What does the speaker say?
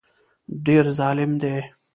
ډېر ظالم دی